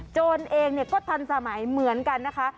โจรเองก็ทันสมัยเหมือนกันนะคะ